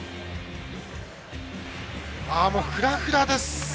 もうふらふらです。